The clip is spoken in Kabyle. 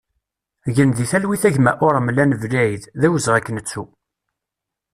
Gen di talwit a gma Uramlan Blaïd, d awezɣi ad k-nettu!